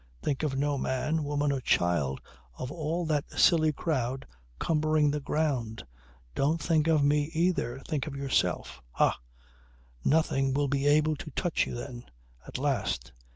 Think of no man, woman or child of all that silly crowd cumbering the ground. Don't think of me either. Think of yourself. Ha! Nothing will be able to touch you then at last.